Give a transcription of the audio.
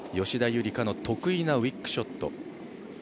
吉田夕梨花の得意なウイックショット。